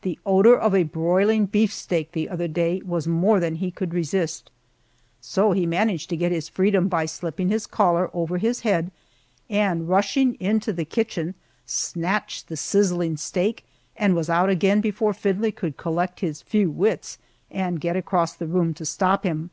The odor of a broiling beefsteak the other day was more than he could resist, so he managed to get his freedom by slipping his collar over his head, and rushing into the kitchen, snatched the sizzling steak and was out again before Findlay could collect his few wits, and get across the room to stop him.